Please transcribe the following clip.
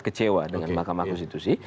kecewa dengan mahkamah konstitusi